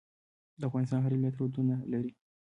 د افغانستان هر ولایت رودونه لري.